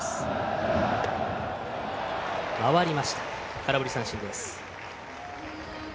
空振り三振です。